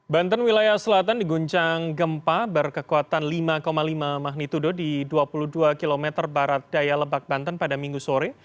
banten wilayah selatan diguncang gempa berkekuatan lima lima magnitudo di dua puluh dua km barat daya lebak banten pada minggu sore